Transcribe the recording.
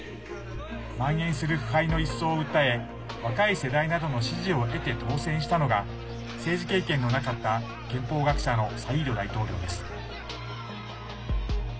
まん延する腐敗の一掃を訴え若い世代などの支持を得て当選したのが政治経験のなかった憲法学者のサイード大統領です。